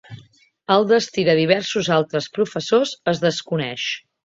El destí de diversos altres professors es desconeix.